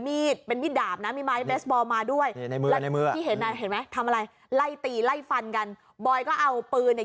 มีดมีดด่ามนะมีไม้เบสบอลมาด้วยในมืออะในมืออ่ะ